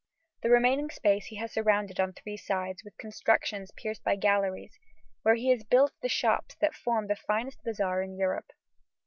The remaining space he has surrounded on three sides with constructions pierced by galleries, where he has built the shops that form the finest bazaar in Europe.